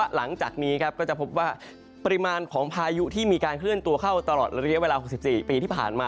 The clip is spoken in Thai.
หลังจากนี้คือพายุที่มีการเคลื่อนตัวเข้าตลอด๐๓๖๔ปีที่ผ่าน